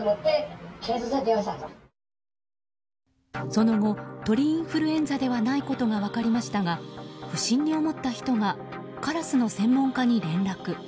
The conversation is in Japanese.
その後、鳥インフルエンザではないことが分かりましたが不審に思った人がカラスの専門家に連絡。